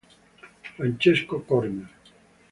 Francesco Corner